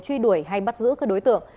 truy đuổi hay bắt giữ các đối tượng